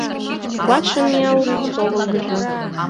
Клат шеҥгел товылгыжо